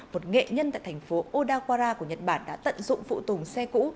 một nghệ nhân tại thành phố odawara của nhật bản đã tận dụng phụ tùng xe cũ